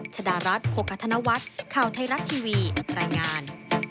ชดารัฐโภคธนวัฒน์ข่าวไทยรัฐทีวีรายงาน